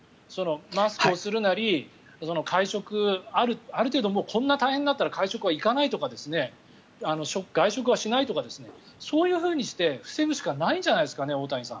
マスクをするなり会食、ある程度こんな大変になったら会食は行かないとか外食はしないとかそういうふうにして防ぐしかないんじゃないですかね。